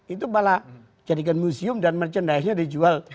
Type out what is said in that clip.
itu malah jadikan museum dan merchandise nya dijual